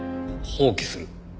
放棄する？